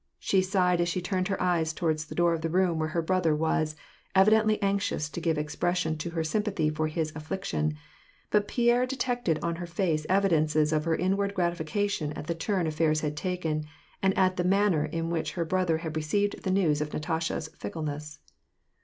She sighed as she turned her eyes toward the door of the room whera her brother was, evidently anxious to give expression to her sym pathy for his aifliction, but Pierre detected on her face evidences of her inward gratification at tlie turn affairs had taken, and at the manner in which her brother had received the news of Natasha's fickleness.